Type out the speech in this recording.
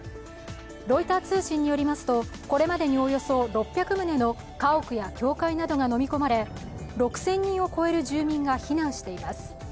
ロイター通信によりますとこれまでにおよそ６００棟の家屋や教会などがのみ込まれ６０００人を超える住民が避難しています。